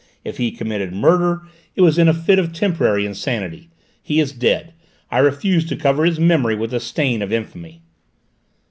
If he committed murder, it was in a fit of temporary insanity! He is dead; I refuse to cover his memory with the stain of infamy!"